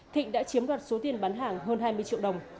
thịnh đã chiếm đoạt số tiền bán hàng hơn hai mươi triệu đồng